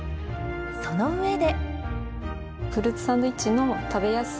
その上で。